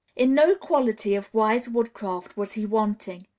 In no quality of wise woodcraft was he wanting.